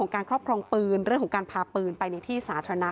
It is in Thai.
การครอบครองปืนเรื่องของการพาปืนไปในที่สาธารณะ